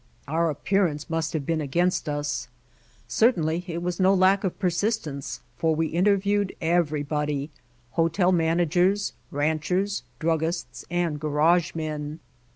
Our appearance must have been against us. Certainly it was no lack of persistence, for we interviewed every body, hotel managers, ranchers, druggists and garage men.